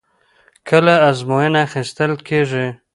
کله ازموینه اخیستل کېږي؟